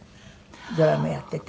ドラムやってて。